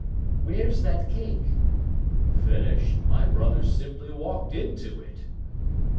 "Where's that cake?" "Finished. My brother simply walked into it."